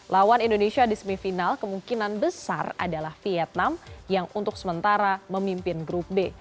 lawan indonesia di semifinal kemungkinan besar adalah vietnam yang untuk sementara memimpin grup b